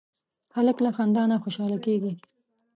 هلک له خندا نه خوشحاله کېږي.